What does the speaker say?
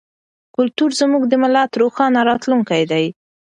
کلتور زموږ د ملت روښانه راتلونکی دی.